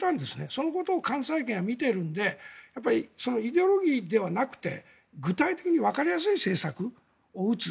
そのことを関西圏は見ているのでイデオロギーではなくて具体的にわかりやすい政策を打つ。